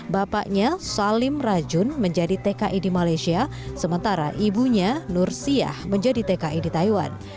bapaknya salim rajun menjadi tki di malaysia sementara ibunya nursiyah menjadi tki di taiwan